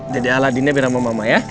dede aladinnya biar sama mama ya